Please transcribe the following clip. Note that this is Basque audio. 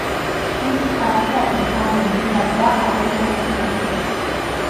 Hitz askearen alde egindakoa agerian utzi nahi dute.